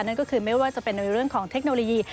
นั่นก็คือไม่ว่าจะเป็นในเรื่องของเทคโนโลยี